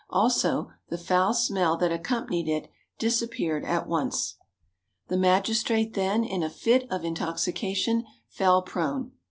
Also the foul smell that accompanied it disappeared at once. The magistrate then, in a fit of intoxication, fell prone.